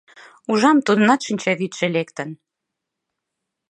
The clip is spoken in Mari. Ужам — тудынат шинчавӱдшӧ лектын.